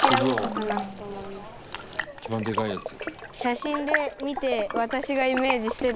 「一番でかいやつ」